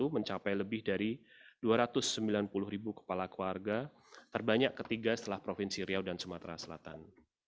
mencapai lebih dari dua ratus sembilan puluh ribu kepala keluarga terbanyak ketiga setelah provinsi riau dan sumatera selatan